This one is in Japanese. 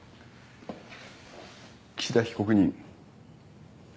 岸田被告人。